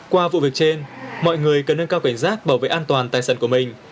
qua vụ việc trên mọi người cần nâng cao cảnh giác bảo vệ an toàn tài sản của mình